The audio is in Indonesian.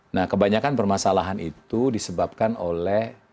nah kebanyakan permasalahan itu disebabkan oleh